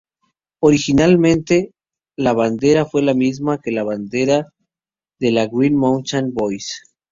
Originalmente, la bandera fue la misma que la Bandera de la Green Mountain Boys.